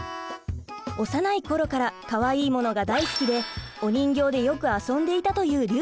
幼い頃からかわいいものが大好きでお人形でよく遊んでいたというりゅうちぇるさん。